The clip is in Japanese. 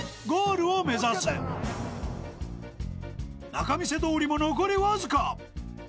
［仲見世通りも残りわずか］